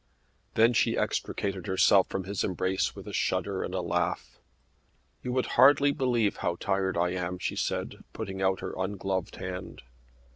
Then she extricated herself from his embrace with a shudder and a laugh. "You would hardly believe how tired I am," she said putting out her ungloved hand.